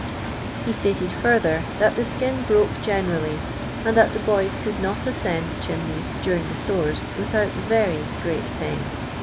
He stated further^ that the skin broke generally, and that the boys could not ascend chimneys during the sores without wry great pain.